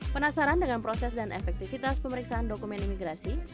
penasaran dengan proses dan efektivitas pemeriksaan dokumen imigrasi